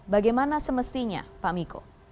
bagaimana semestinya pak miko